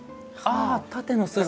あ縦の筋が。